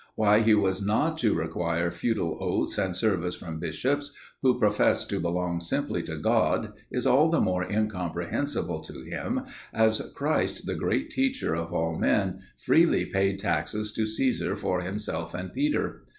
Why he was not to require feudal oaths and service from bishops, who professed to belong simply to God, is all the more incomprehensible to him, as Christ, the great teacher of all men, freely paid taxes to Caesar for himself and Peter.